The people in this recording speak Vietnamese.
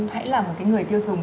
hãy là một người tiêu dùng